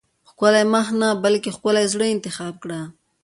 ښکلی مخ نه بلکې ښکلي زړه انتخاب کړه.